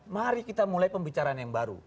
mari kita mulai pembicaraan yang baru